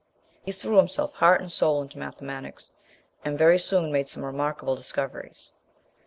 He threw himself heart and soul into mathematics, and very soon made some remarkable discoveries.